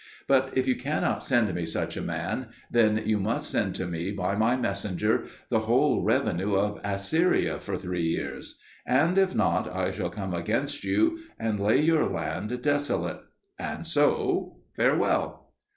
But if you cannot send me such a man, then you must send to me, by my messenger, the whole revenue of Assyria for three years. And if not, I shall come against you and lay your land desolate. And so farewell."